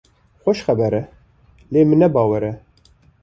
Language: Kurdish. Xweş xeber e, lê min ne bawer e.